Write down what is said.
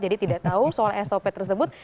jadi tidak tahu soal sop tersebut